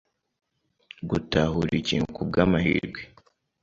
Gutahura ikintu ku bwʼamahirwe